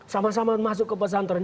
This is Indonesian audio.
sama sama masuk ke pesantren